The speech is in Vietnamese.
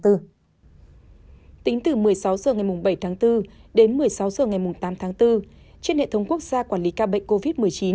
tính từ một mươi sáu h ngày bảy tháng bốn đến một mươi sáu h ngày tám tháng bốn trên hệ thống quốc gia quản lý ca bệnh covid một mươi chín